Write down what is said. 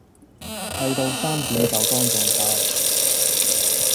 剃到三點就乾淨曬